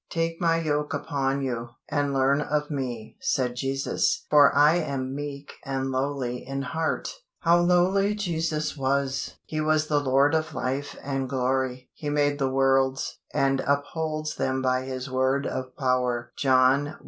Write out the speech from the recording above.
"Take My yoke upon you, and learn of Me," said Jesus; "for I am meek and lowly in heart." How lowly Jesus was! He was the Lord of life and glory. He made the worlds, and upholds them by His word of power (John i.